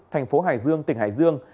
thành phố hải dương tỉnh hải dương